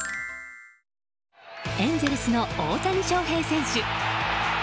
エンゼルスの大谷翔平選手